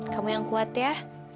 kamu yang kuat ya